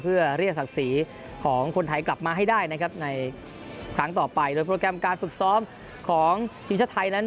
เพื่อเรียกศักดิ์ศรีของคนไทยกลับมาให้ได้นะครับในครั้งต่อไปโดยโปรแกรมการฝึกซ้อมของทีมชาติไทยนั้น